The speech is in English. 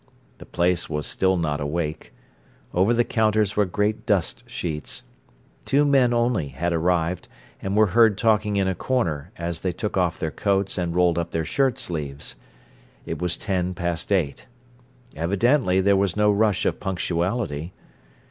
The place was still not awake. Over the counters were great dust sheets. Two men only had arrived, and were heard talking in a corner, as they took off their coats and rolled up their shirt sleeves. It was ten past eight. Evidently there was no rush of punctuality.